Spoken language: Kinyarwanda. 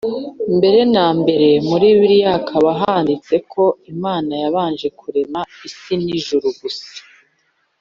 Mbere nambere muri bibiliya hakaba handitswe ko Imana yabanje kurema isi n’ijuru gusa.